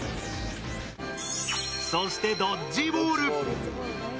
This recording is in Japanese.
そして、ドッジボール。